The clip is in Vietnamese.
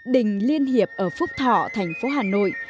đình liên hiệp ở phúc thọ thành phố hà nội